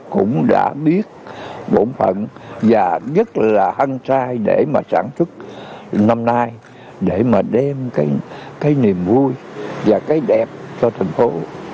cũng đã biết bổn phận và rất là hăng sai để mà sản xuất năm nay để mà đem cái niềm vui và cái đẹp cho thành phố